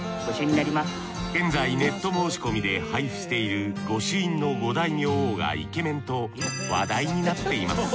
現在ネット申し込みで配布している御朱印の五大明王がイケメンと話題になっています。